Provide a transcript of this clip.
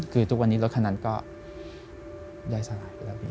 คือทุกวันนี้รถคนนั้นก็ย่อยสลายไปแล้ว